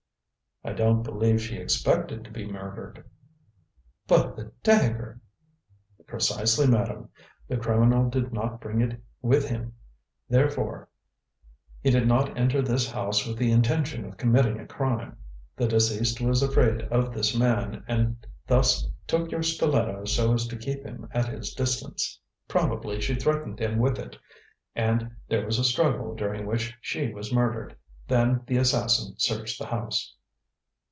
"I don't believe she expected to be murdered." "But the dagger " "Precisely, madam. The criminal did not bring it with him, therefore, he did not enter this house with the intention of committing a crime. The deceased was afraid of this man and thus took your stiletto so as to keep him at his distance. Probably she threatened him with it, and there was a struggle during which she was murdered. Then the assassin searched the house."